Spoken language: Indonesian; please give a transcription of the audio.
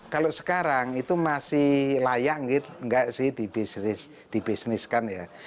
kalau sekarang itu masih layak nggak sih dibisniskan ya